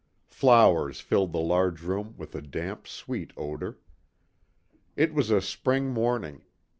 Flowers filled the large room with a damp, sweet odor. It was a spring morning.